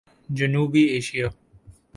جنوبی ایشیا